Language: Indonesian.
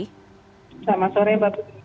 selamat sore bapak